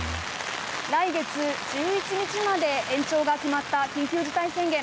来月１１日まで延長が決まった緊急事態宣言。